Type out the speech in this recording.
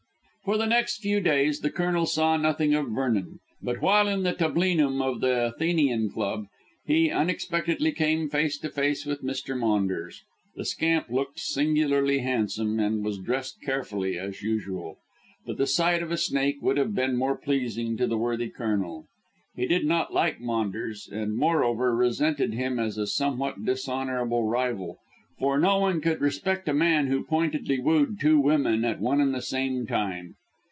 For the next few days the Colonel saw nothing of Vernon, but, while in the tablinum of the Athenian Club, he unexpectedly came face to face with Mr. Maunders. The scamp looked singularly handsome, and was dressed carefully, as usual; but the sight of a snake would have been more pleasing to the worthy Colonel. He did not like Maunders, and, moreover, resented him as a somewhat dishonourable rival, for no one could respect a man who pointedly wooed two women at one and the same time.